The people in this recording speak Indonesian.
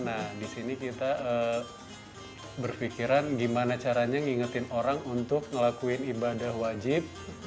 nah di sini kita berpikiran gimana caranya ngingetin orang untuk ngelakuin ibadah wajib